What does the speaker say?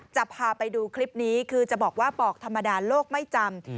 จะพาไปดูคลิปนี้คือจะบอกว่าปอกธรรมดาโลกไม่จำ